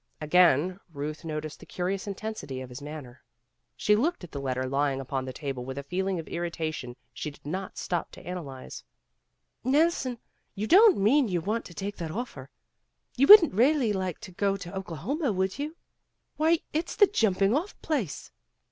Again Euth noticed the curious intensity of his manner. She looked at the letter lying upon the table with a feeling of irritation she did not stop to analyze. "Nelson, you don't mean you want to take that offer? You wouldn't really like to go to Oklahoma, would you? Why it's the jumping off place."